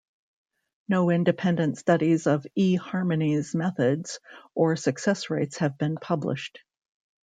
No independent studies of eHarmony's methods or success rates have been published.